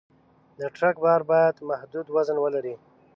د ټرک بار باید محدود وزن ولري.